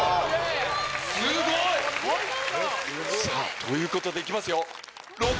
すごい！ということでいきますよ！